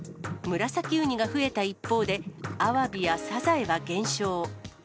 ムラサキウニが増えた一方で、アワビやサザエは減少。